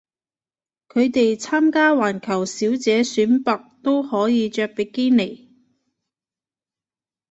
佢哋參加環球小姐選拔都可以着比基尼